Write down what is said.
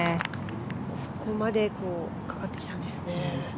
そこまでかかったんですね。